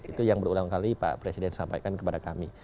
itu yang berulang kali pak presiden sampaikan kepada kami